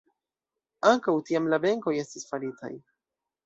Ankaŭ tiam la benkoj estis faritaj.